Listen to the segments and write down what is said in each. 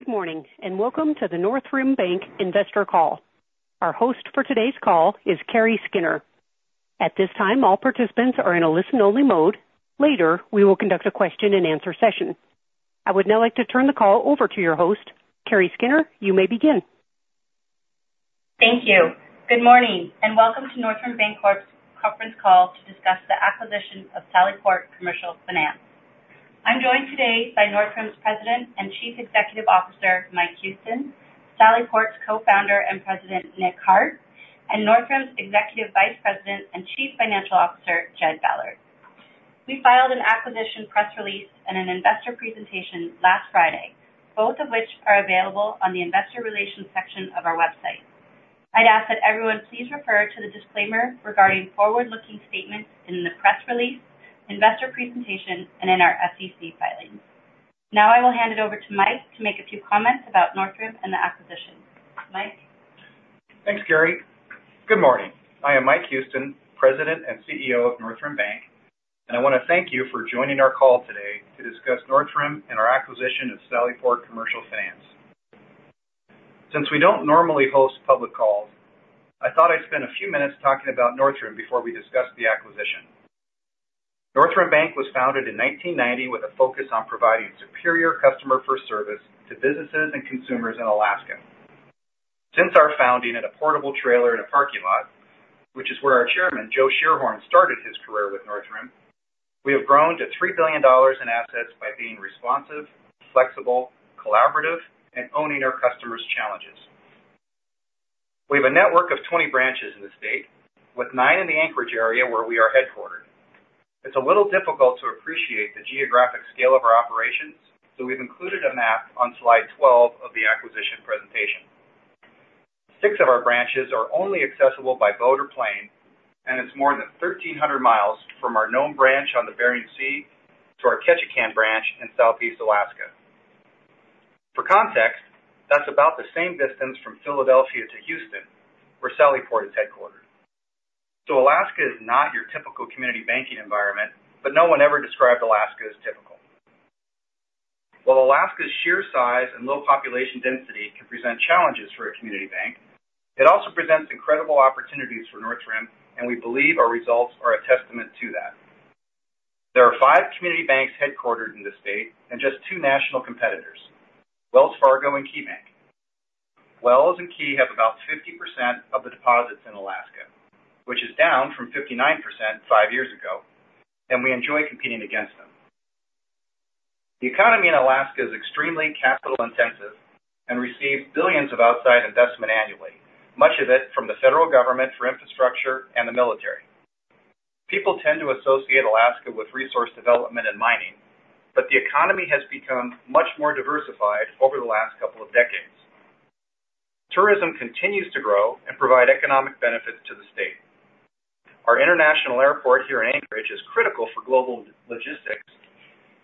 Good morning and welcome to the Northrim BanCorp Investor Call. Our host for today's call is Kari Skinner. At this time, all participants are in a listen-only mode. Later, we will conduct a question-and-answer session. I would now like to turn the call over to your host, Kari Skinner. You may begin. Thank you. Good morning and welcome to Northrim BanCorp's conference call to discuss the acquisition of Sallyport Commercial Finance. I'm joined today by Northrim's President and Chief Executive Officer, Mike Houston, Sallyport's Co-Founder and President, Nick Hart, and Northrim's Executive Vice President and Chief Financial Officer, Jed Ballard. We filed an acquisition press release and an investor presentation last Friday, both of which are available on the Investor Relations section of our website. I'd ask that everyone please refer to the disclaimer regarding forward-looking statements in the press release, investor presentation, and in our SEC filings. Now I will hand it over to Mike to make a few comments about Northrim and the acquisition. Mike. Thanks, Kari. Good morning. I am Mike Houston, President and CEO of Northrim BanCorp, and I want to thank you for joining our call today to discuss Northrim and our acquisition of Sallyport Commercial Finance. Since we don't normally host public calls, I thought I'd spend a few minutes talking about Northrim before we discuss the acquisition. Northrim BanCorp was founded in 1990 with a focus on providing superior customer-first service to businesses and consumers in Alaska. Since our founding at a portable trailer in a parking lot, which is where our Chairman, Joe Schierhorn, started his career with Northrim, we have grown to $3 billion in assets by being responsive, flexible, collaborative, and owning our customers' challenges. We have a network of 20 branches in the state, with nine in the Anchorage area where we are headquartered. It's a little difficult to appreciate the geographic scale of our operations, so we've included a map on slide 12 of the acquisition presentation. Six of our branches are only accessible by boat or plane, and it's more than 1,300 miles from our Nome branch on the Bering Sea to our Ketchikan branch in Southeast Alaska. For context, that's about the same distance from Philadelphia to Houston, where Sallyport is headquartered. So Alaska is not your typical community banking environment, but no one ever described Alaska as typical. While Alaska's sheer size and low population density can present challenges for a community bank, it also presents incredible opportunities for Northrim, and we believe our results are a testament to that. There are five community banks headquartered in the state and just two national competitors: Wells Fargo and KeyBank. Wells and Key have about 50% of the deposits in Alaska, which is down from 59% five years ago, and we enjoy competing against them. The economy in Alaska is extremely capital-intensive and receives billions of outside investment annually, much of it from the federal government for infrastructure and the military. People tend to associate Alaska with resource development and mining, but the economy has become much more diversified over the last couple of decades. Tourism continues to grow and provide economic benefits to the state. Our international airport here in Anchorage is critical for global logistics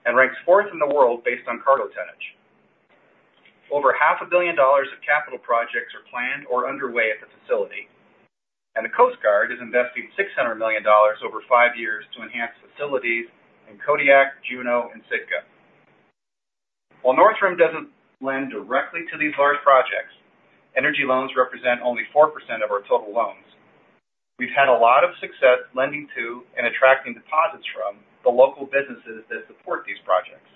and ranks fourth in the world based on cargo tonnage. Over $500 million of capital projects are planned or underway at the facility, and the Coast Guard is investing $600 million over five years to enhance facilities in Kodiak, Juneau, and Sitka. While Northrim doesn't lend directly to these large projects, energy loans represent only 4% of our total loans. We've had a lot of success lending to and attracting deposits from the local businesses that support these projects.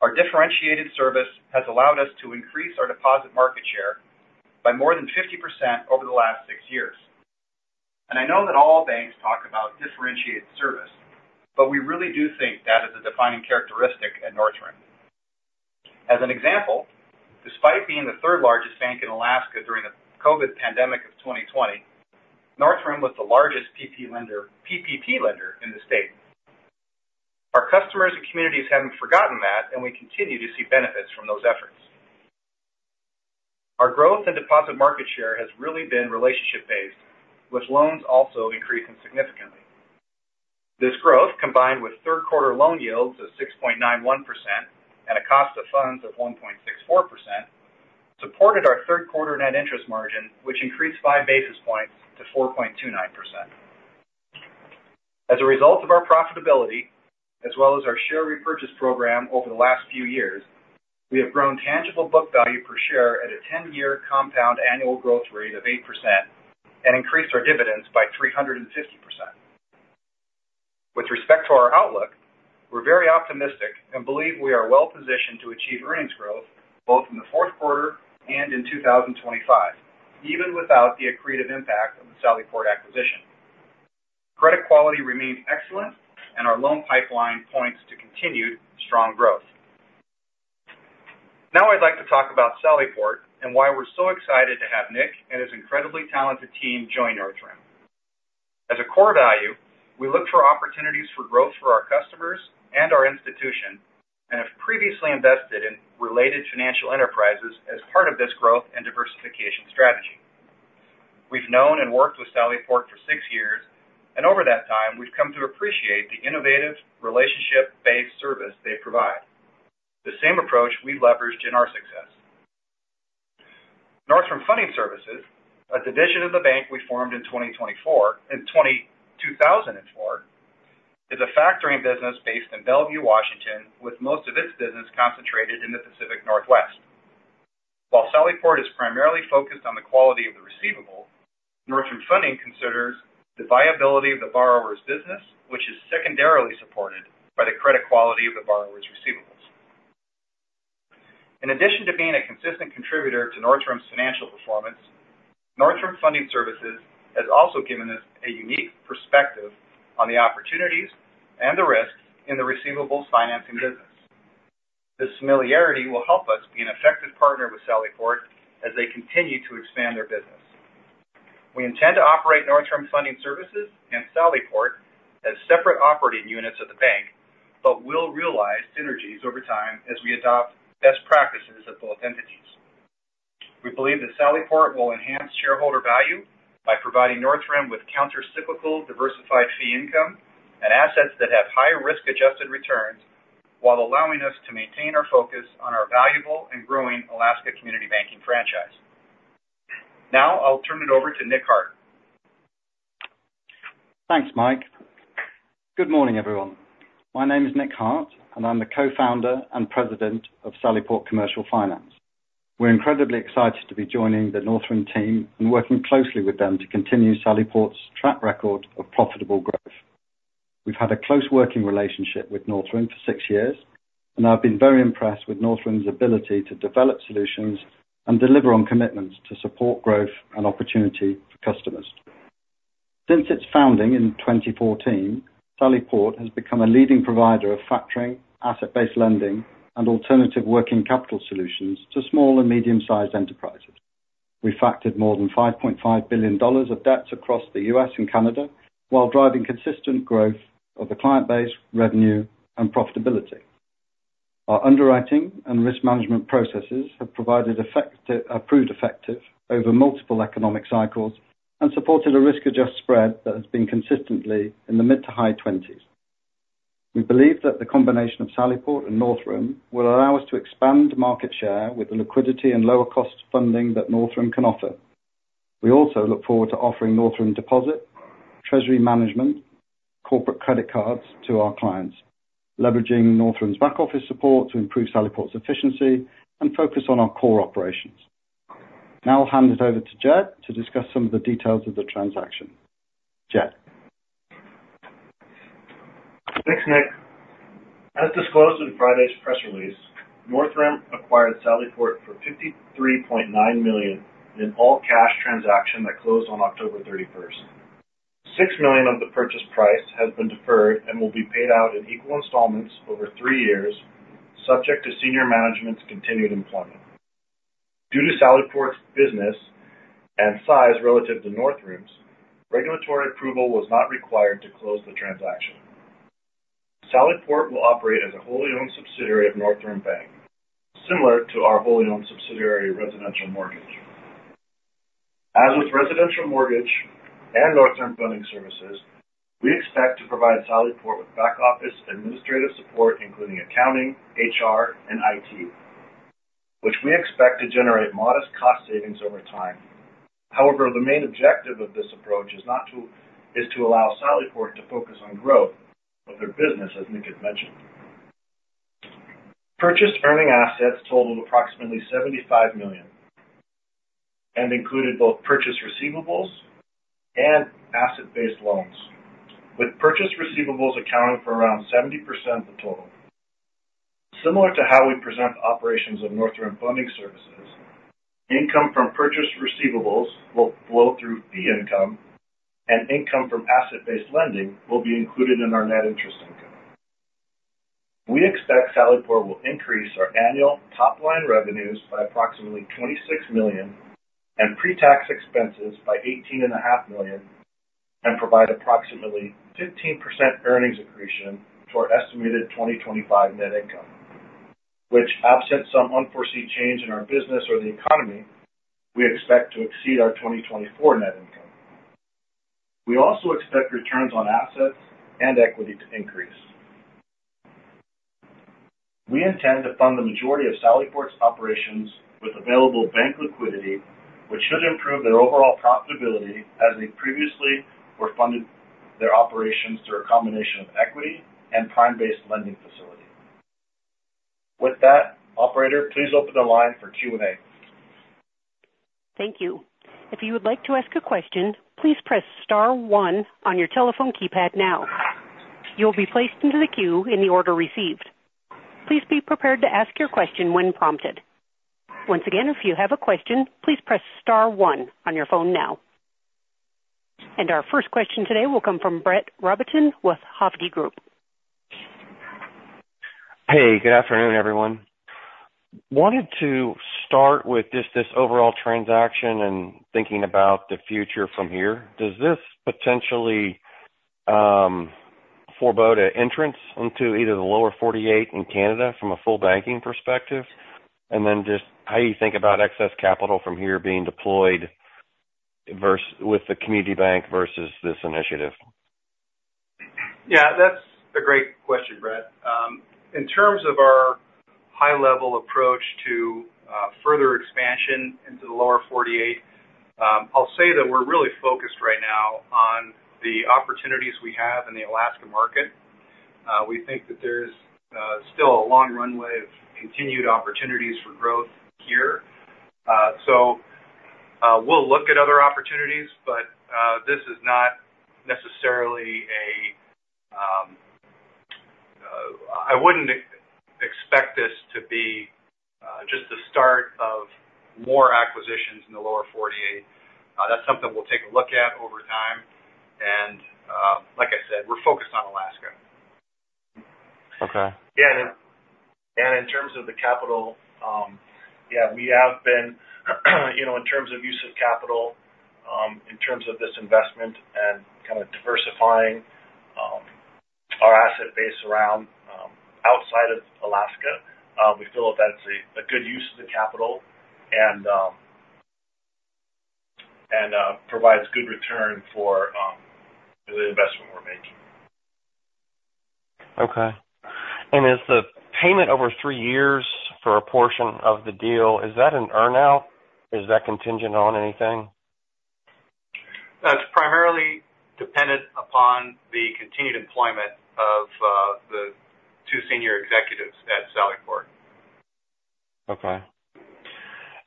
Our differentiated service has allowed us to increase our deposit market share by more than 50% over the last six years, and I know that all banks talk about differentiated service, but we really do think that is a defining characteristic at Northrim. As an example, despite being the third largest bank in Alaska during the COVID pandemic of 2020, Northrim was the largest PPP lender in the state. Our customers and communities haven't forgotten that, and we continue to see benefits from those efforts. Our growth and deposit market share has really been relationship-based, with loans also increasing significantly. This growth, combined with third-quarter loan yields of 6.91% and a cost of funds of 1.64%, supported our third-quarter net interest margin, which increased five basis points to 4.29%. As a result of our profitability, as well as our share repurchase program over the last few years, we have grown tangible book value per share at a 10-year compound annual growth rate of 8% and increased our dividends by 350%. With respect to our outlook, we're very optimistic and believe we are well-positioned to achieve earnings growth both in the fourth quarter and in 2025, even without the accretive impact of the Sallyport acquisition. Credit quality remains excellent, and our loan pipeline points to continued strong growth. Now I'd like to talk about Sallyport and why we're so excited to have Nick and his incredibly talented team join Northrim. As a core value, we look for opportunities for growth for our customers and our institution and have previously invested in related financial enterprises as part of this growth and diversification strategy. We've known and worked with Sallyport for six years, and over that time, we've come to appreciate the innovative relationship-based service they provide, the same approach we've leveraged in our success. Northrim Funding Services, a division of the bank we formed in 2004, is a factoring business based in Bellevue, Washington, with most of its business concentrated in the Pacific Northwest. While Sallyport is primarily focused on the quality of the receivable, Northrim Funding considers the viability of the borrower's business, which is secondarily supported by the credit quality of the borrower's receivables. In addition to being a consistent contributor to Northrim's financial performance, Northrim Funding Services has also given us a unique perspective on the opportunities and the risks in the receivables financing business. This familiarity will help us be an effective partner with Sallyport as they continue to expand their business. We intend to operate Northrim Funding Services and Sallyport as separate operating units of the bank, but we'll realize synergies over time as we adopt best practices at both entities. We believe that Sallyport will enhance shareholder value by providing Northrim with countercyclical diversified fee income and assets that have high risk-adjusted returns while allowing us to maintain our focus on our valuable and growing Alaska Community Banking franchise. Now I'll turn it over to Nick Hart. Thanks, Mike. Good morning, everyone. My name is Nick Hart, and I'm the Co-Founder and President of Sallyport Commercial Finance. We're incredibly excited to be joining the Northrim team and working closely with them to continue Sallyport's track record of profitable growth. We've had a close working relationship with Northrim for six years, and I've been very impressed with Northrim's ability to develop solutions and deliver on commitments to support growth and opportunity for customers. Since its founding in 2014, Sallyport has become a leading provider of factoring, asset-based lending, and alternative working capital solutions to small and medium-sized enterprises. We've factored more than $5.5 billion of debts across the U.S. and Canada while driving consistent growth of the client base, revenue, and profitability. Our underwriting and risk management processes have proved effective over multiple economic cycles and supported a risk-adjusted spread that has been consistently in the mid to high 20s. We believe that the combination of Sallyport and Northrim will allow us to expand market share with the liquidity and lower-cost funding that Northrim can offer. We also look forward to offering Northrim deposit, treasury management, and corporate credit cards to our clients, leveraging Northrim's back-office support to improve Sallyport's efficiency and focus on our core operations. Now I'll hand it over to Jed to discuss some of the details of the transaction. Jed. Thanks, Nick. As disclosed in Friday's press release, Northrim acquired Sallyport for $53.9 million in an all-cash transaction that closed on October 31st. $6 million of the purchase price has been deferred and will be paid out in equal installments over three years, subject to senior management's continued employment. Due to Sallyport's business and size relative to Northrim's, regulatory approval was not required to close the transaction. Sallyport will operate as a wholly-owned subsidiary of Northrim BanCorp, similar to our wholly-owned subsidiary Residential Mortgage. As with Residential Mortgage and Northrim Funding Services, we expect to provide Sallyport with back-office administrative support, including accounting, HR, and IT, which we expect to generate modest cost savings over time. However, the main objective of this approach is to allow Sallyport to focus on growth of their business, as Nick had mentioned. Purchased earning assets totaled approximately $75 million and included both purchase receivables and asset-based loans, with purchase receivables accounting for around 70% of the total. Similar to how we present the operations of Northrim Funding Services, income from purchase receivables will flow through fee income, and income from asset-based lending will be included in our net interest income. We expect Sallyport will increase our annual top-line revenues by approximately $26 million and pre-tax expenses by $18.5 million and provide approximately 15% earnings accretion to our estimated 2025 net income, which, absent some unforeseen change in our business or the economy, we expect to exceed our 2024 net income. We also expect returns on assets and equity to increase. We intend to fund the majority of Sallyport's operations with available bank liquidity, which should improve their overall profitability as they previously were funding their operations through a combination of equity and prime-based lending facility. With that, Operator, please open the line for Q&A. Thank you. If you would like to ask a question, please press star one on your telephone keypad now. You'll be placed into the queue in the order received. Please be prepared to ask your question when prompted. Once again, if you have a question, please press star one on your phone now. And our first question today will come from Brett Rabatin with Hovde Group. Hey, good afternoon, everyone. Wanted to start with just this overall transaction and thinking about the future from here. Does this potentially forebode an entrance into either the Lower 48 in Canada from a full banking perspective? And then just how do you think about excess capital from here being deployed with the community bank versus this initiative? Yeah, that's a great question, Brett. In terms of our high-level approach to further expansion into the Lower 48, I'll say that we're really focused right now on the opportunities we have in the Alaska market. We think that there's still a long runway of continued opportunities for growth here. So we'll look at other opportunities, but this is not necessarily a, I wouldn't expect this to be just the start of more acquisitions in the Lower 48. That's something we'll take a look at over time, and like I said, we're focused on Alaska. Okay. In terms of the capital, in terms of use of capital, in terms of this investment and kind of diversifying our asset base around outside of Alaska, we feel that that's a good use of the capital and provides good return for the investment we're making. Okay, and is the payment over three years for a portion of the deal, is that an earn-out? Is that contingent on anything? That's primarily dependent upon the continued employment of the two senior executives at Sallyport. Okay.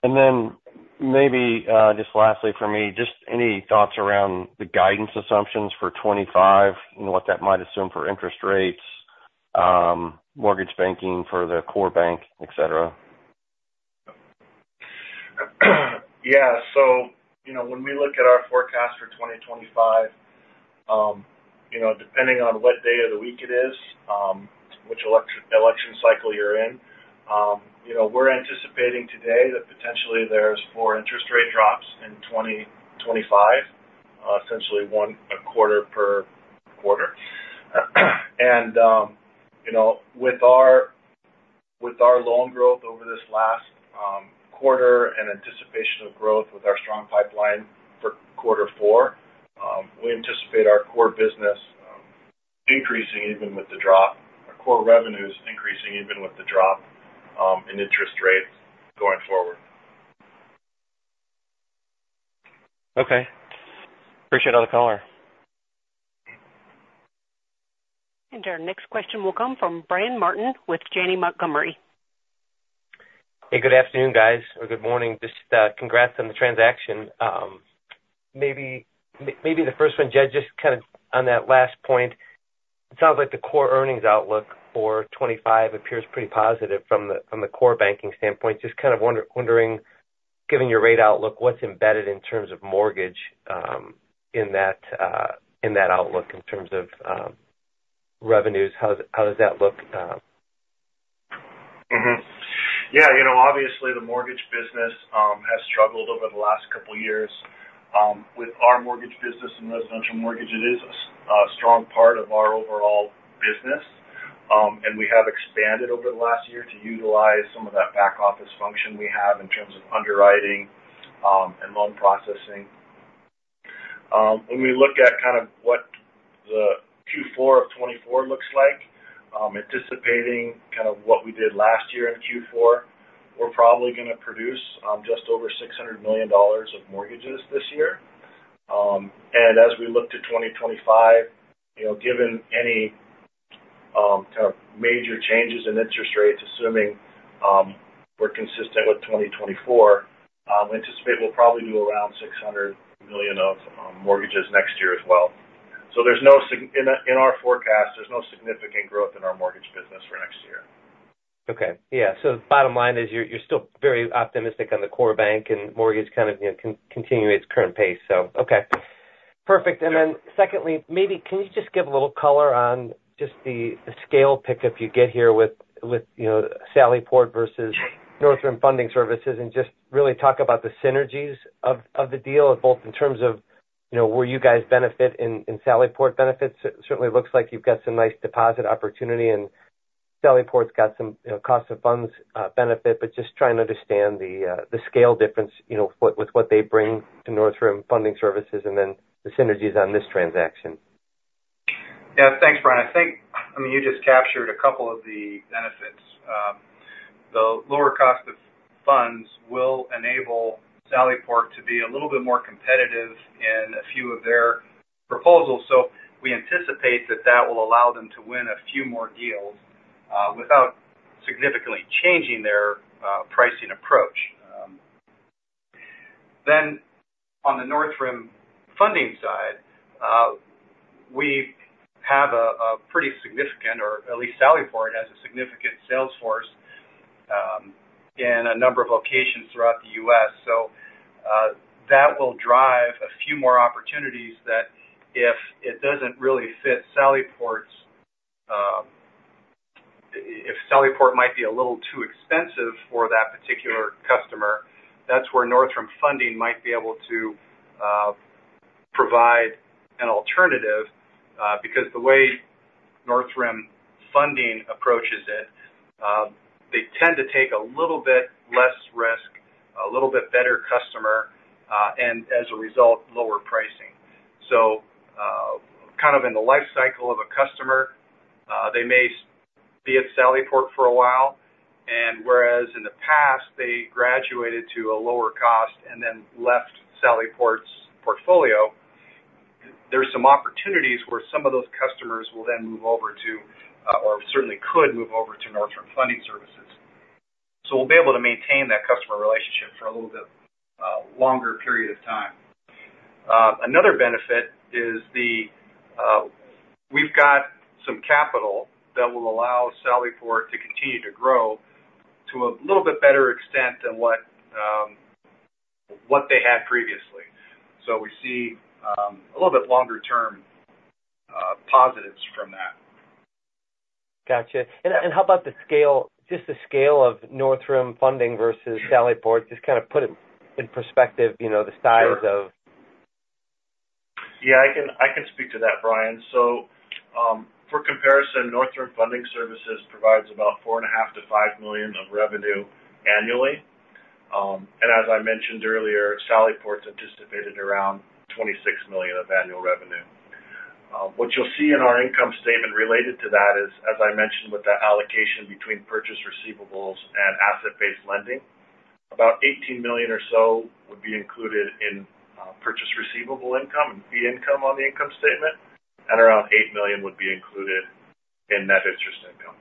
And then maybe just lastly for me, just any thoughts around the guidance assumptions for 2025 and what that might assume for interest rates, mortgage banking for the core bank, etc.? Yeah. So when we look at our forecast for 2025, depending on what day of the week it is, which election cycle you're in, we're anticipating today that potentially there's four interest rate drops in 2025, essentially one quarter per quarter. And with our loan growth over this last quarter and anticipation of growth with our strong pipeline for quarter four, we anticipate our core business increasing even with the drop, our core revenues increasing even with the drop in interest rates going forward. Okay. Appreciate all the color. And our next question will come from Brian Martin with Janney Montgomery. Hey, good afternoon, guys, or good morning. Just congrats on the transaction. Maybe the first one, Jed, just kind of on that last point, it sounds like the core earnings outlook for 2025 appears pretty positive from the core banking standpoint. Just kind of wondering, given your rate outlook, what's embedded in terms of mortgage in that outlook in terms of revenues? How does that look? Yeah. Obviously, the mortgage business has struggled over the last couple of years. With our mortgage business and residential mortgage, it is a strong part of our overall business. And we have expanded over the last year to utilize some of that back-office function we have in terms of underwriting and loan processing. When we look at kind of what the Q4 of 2024 looks like, anticipating kind of what we did last year in Q4, we're probably going to produce just over $600 million of mortgages this year. And as we look to 2025, given any kind of major changes in interest rates, assuming we're consistent with 2024, we anticipate we'll probably do around $600 million of mortgages next year as well. So in our forecast, there's no significant growth in our mortgage business for next year. Okay. Yeah. So bottom line is you're still very optimistic on the core bank, and mortgage kind of continues its current pace. So, okay. Perfect. And then secondly, maybe can you just give a little color on just the scale pickup you get here with Sallyport versus Northrim Funding Services and just really talk about the synergies of the deal, both in terms of where you guys benefit and Sallyport benefits? Certainly looks like you've got some nice deposit opportunity, and Sallyport's got some cost of funds benefit, but just trying to understand the scale difference with what they bring to Northrim Funding Services and then the synergies on this transaction. Yeah. Thanks, Brian. I think, I mean, you just captured a couple of the benefits. The lower cost of funds will enable Sallyport to be a little bit more competitive in a few of their proposals. So we anticipate that that will allow them to win a few more deals without significantly changing their pricing approach. Then on the Northrim Funding side, we have a pretty significant, or at least Sallyport has a significant sales force in a number of locations throughout the U.S. So that will drive a few more opportunities that if it doesn't really fit Sallyport's, if Sallyport might be a little too expensive for that particular customer, that's where Northrim Funding might be able to provide an alternative because the way Northrim Funding approaches it, they tend to take a little bit less risk, a little bit better customer, and as a result, lower pricing. So kind of in the life cycle of a customer, they may be at Sallyport for a while, and whereas in the past, they graduated to a lower cost and then left Sallyport's portfolio, there's some opportunities where some of those customers will then move over to, or certainly could move over to Northrim Funding Services. So we'll be able to maintain that customer relationship for a little bit longer period of time. Another benefit is we've got some capital that will allow Sallyport to continue to grow to a little bit better extent than what they had previously. So we see a little bit longer-term positives from that. Gotcha. And how about just the scale of Northrim Funding versus Sallyport? Just kind of put it in perspective, the size of. Yeah. I can speak to that, Brian. So for comparison, Northrim Funding Services provides about $4.5-$5 million of revenue annually. And as I mentioned earlier, Sallyport's anticipated around $26 million of annual revenue. What you'll see in our income statement related to that is, as I mentioned, with the allocation between purchase receivables and asset-based lending, about $18 million or so would be included in purchase receivables income and fee income on the income statement, and around $8 million would be included in net interest income.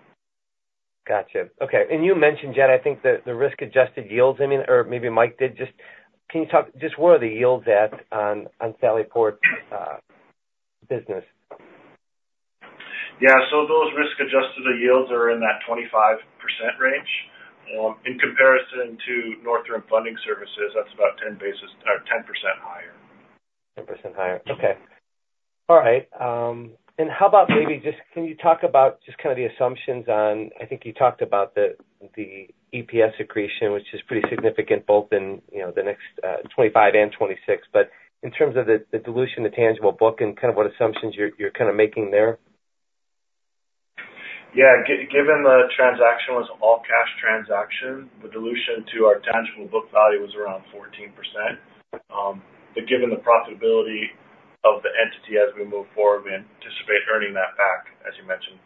Gotcha. Okay. And you mentioned, Jed, I think the risk-adjusted yields, I mean, or maybe Mike did. Just can you talk just where are the yields at on Sallyport's business? Yeah. So those risk-adjusted yields are in that 25% range. In comparison to Northrim Funding Services, that's about 10% higher. 10% higher. Okay. All right. How about maybe just can you talk about just kind of the assumptions on, I think you talked about the EPS accretion, which is pretty significant both in the next 2025 and 2026, but in terms of the dilution to tangible book and kind of what assumptions you're kind of making there? Yeah. Given the transaction was an all-cash transaction, the dilution to our tangible book value was around 14%, but given the profitability of the entity as we move forward, we anticipate earning that back, as you mentioned,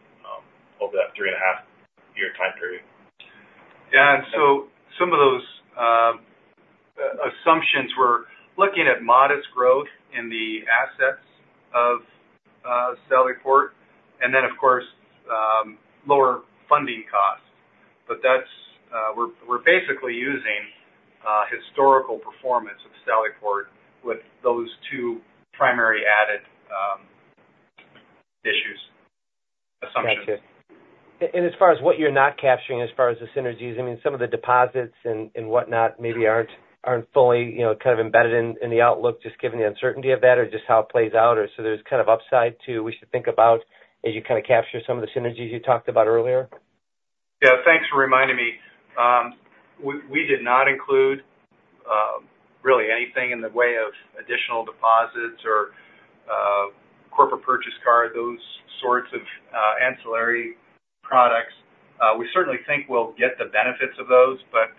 over that three-and-a-half-year time period. Yeah, and so some of those assumptions were looking at modest growth in the assets of Sallyport and then, of course, lower funding costs, but we're basically using historical performance of Sallyport with those two primary adjusted assumptions. Gotcha. And as far as what you're not capturing as far as the synergies, I mean, some of the deposits and whatnot maybe aren't fully kind of embedded in the outlook, just given the uncertainty of that or just how it plays out, or so there's kind of upside too we should think about as you kind of capture some of the synergies you talked about earlier? Yeah. Thanks for reminding me. We did not include really anything in the way of additional deposits or corporate purchase card, those sorts of ancillary products. We certainly think we'll get the benefits of those, but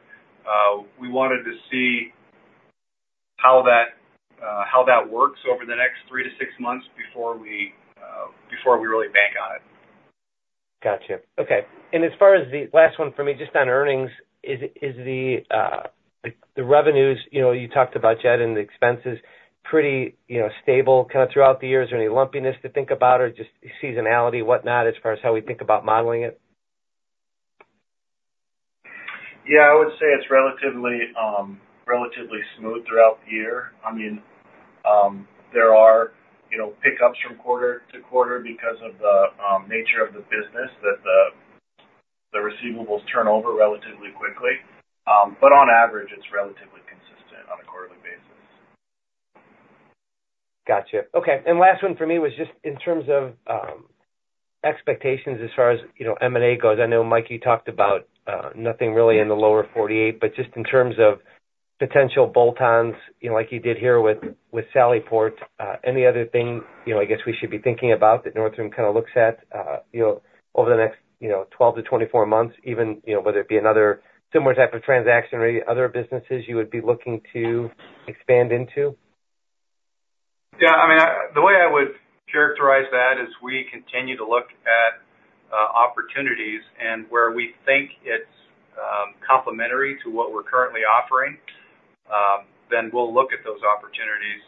we wanted to see how that works over the next three to six months before we really bank on it. Gotcha. Okay. And as far as the last one for me, just on earnings, is the revenues you talked about, Jed, and the expenses pretty stable kind of throughout the year? Is there any lumpiness to think about or just seasonality, whatnot, as far as how we think about modeling it? Yeah. I would say it's relatively smooth throughout the year. I mean, there are pickups from quarter to quarter because of the nature of the business that the receivables turn over relatively quickly. But on average, it's relatively consistent on a quarterly basis. Gotcha. Okay. And last one for me was just in terms of expectations as far as M&A goes. I know, Mike, you talked about nothing really in the Lower 48, but just in terms of potential bolt-ons like you did here with Sallyport, any other thing I guess we should be thinking about that Northrim kind of looks at over the next 12-24 months, even whether it be another similar type of transaction or other businesses you would be looking to expand into? Yeah. I mean, the way I would characterize that is we continue to look at opportunities and where we think it's complementary to what we're currently offering, then we'll look at those opportunities.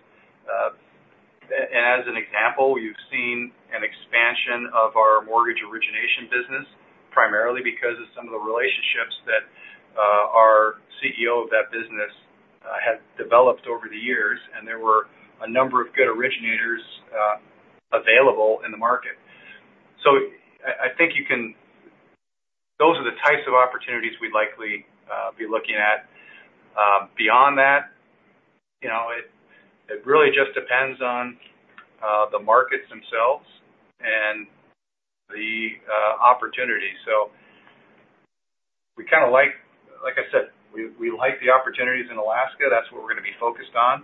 And as an example, you've seen an expansion of our mortgage origination business primarily because of some of the relationships that our CEO of that business had developed over the years, and there were a number of good originators available in the market. So I think, those are the types of opportunities we'd likely be looking at. Beyond that, it really just depends on the markets themselves and the opportunity. So we kind of like, like I said, we like the opportunities in Alaska. That's what we're going to be focused on.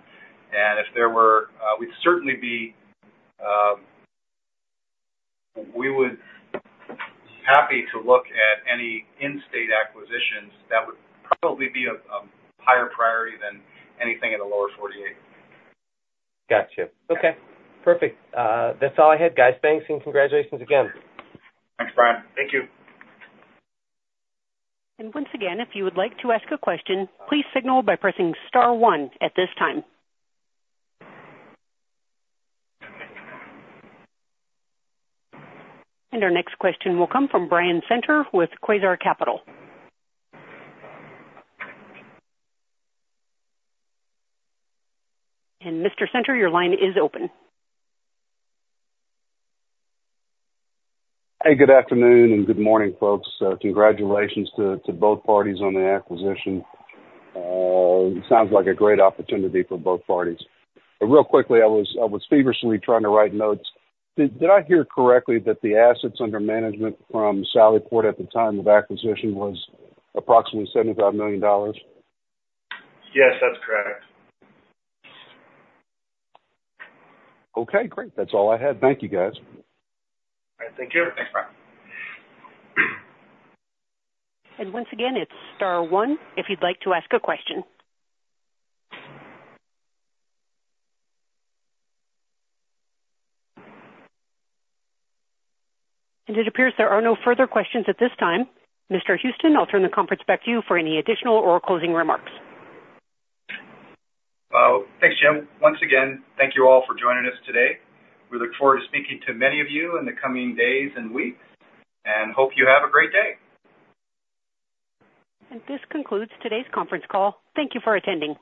And if there were, we'd certainly be happy to look at any in-state acquisitions. That would probably be a higher priority than anything in the Lower 48. Gotcha. Okay. Perfect. That's all I had, guys. Thanks and congratulations again. Thanks, Brian. Thank you. And once again, if you would like to ask a question, please signal by pressing star one at this time. And our next question will come from Brian Zenter with Quasar Capital. And Mr. Center, your line is open. Hey, good afternoon and good morning, folks. Congratulations to both parties on the acquisition. It sounds like a great opportunity for both parties. Real quickly, I was feverishly trying to write notes. Did I hear correctly that the assets under management from Sallyport at the time of acquisition was approximately $75 million? Yes, that's correct. Okay. Great. That's all I had. Thank you, guys. All right. Thank you. Thanks, Brian. Once again, it's star one if you'd like to ask a question. It appears there are no further questions at this time. Mr. Houston, I'll turn the conference back to you for any additional or closing remarks. Thanks, Jim. Once again, thank you all for joining us today. We look forward to speaking to many of you in the coming days and weeks, and hope you have a great day. This concludes today's conference call. Thank you for attending.